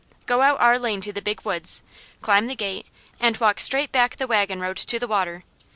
Go out our lane to the Big Woods, climb the gate and walk straight back the wagon road to the water.